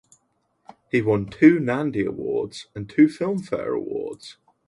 He won two Nandi Awards and two Filmfare Awards.